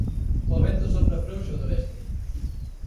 O vento sopra frouxo do leste.